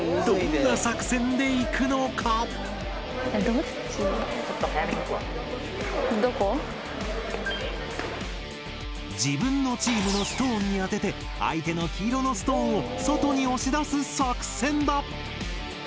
どんな作戦でいくのか⁉自分のチームのストーンに当てて相手の黄色のストーンを外に押し出す作戦だ！